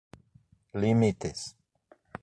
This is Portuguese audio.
limites